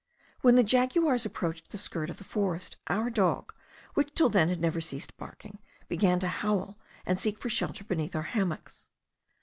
When the jaguars approached the skirt of the forest, our dog, which till then had never ceased barking, began to howl and seek for shelter beneath our hammocks.